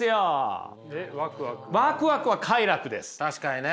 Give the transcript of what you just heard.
確かにね。